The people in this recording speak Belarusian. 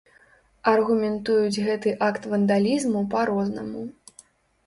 Аргументуюць гэты акт вандалізму па-рознаму.